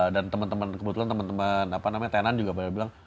dan temen temen kebetulan temen temen apa namanya tenan juga pada bilang